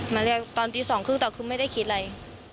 มาเรียกตอนตีสองครึ่งต่อครึ่งไม่ได้คิดอะไร